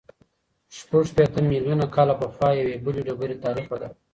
شپږ شپېته میلیونه کاله پخوا یوې بلې ډبرې تاریخ بدل کړ.